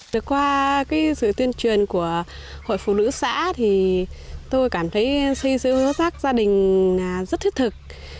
từ qua sự tuyên truyền của hội phụ nữ xã tôi cảm thấy xây dựng hố rác gia đình rất thiết thực